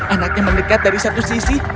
anaknya mendekat dari satu sisi